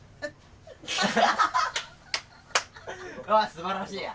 あすばらしいや。